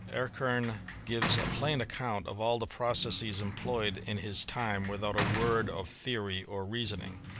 Erckem gives a plain account of all the processes employed in his time without a word of theory or reasoning.